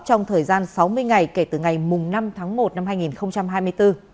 trong thời gian sáu mươi ngày kể từ ngày năm tháng một năm hai nghìn hai mươi bốn